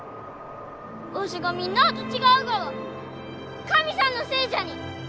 わしがみんなあと違うがは神さんのせいじゃに！